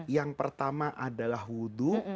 yang pertama adalah wudhu